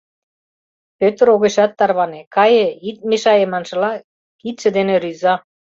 Пӧтыр огешат тарване, кае, ит мешае маншыла, кидше дене рӱза.